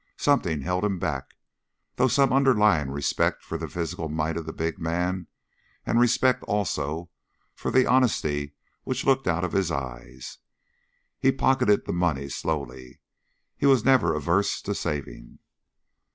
Something held him back, through some underlying respect for the physical might of the big man and a respect, also, for the honesty which looked out of his eyes. He pocketed the money slowly. He was never averse to saving.